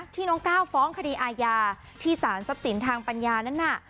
น้องก้าวฟ้องคดีอาญาที่สารทรัพย์สินทางปัญญานั้นน่ะ